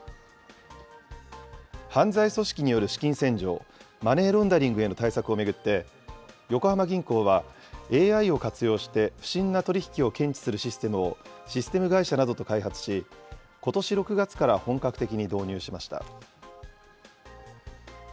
犯罪組織による資金洗浄・マネーロンダリングへの対策を巡って、横浜銀行はＡＩを活用して不審な取り引きを検知するシステムをシステム会社などと開発し、ことし６月から本格的に導入しました。